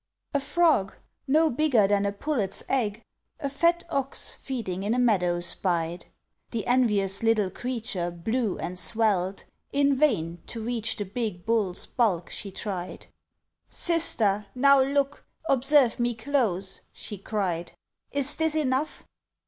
A Frog, no bigger than a pullet's egg, A fat Ox feeding in a meadow spied. The envious little creature blew and swelled; In vain to reach the big bull's bulk she tried. "Sister, now look! observe me close!" she cried. "Is this enough?"